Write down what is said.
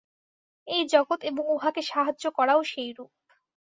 এই জগৎ এবং উহাকে সাহায্য করাও সেইরূপ।